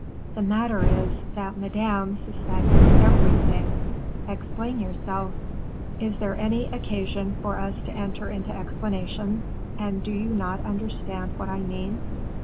"The matter is, that Madame suspects everything." "Explain yourself." "Is there any occasion for us to enter into explanations, and do you not understand what I mean?